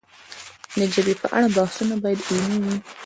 د ژبې په اړه بحثونه باید علمي وي.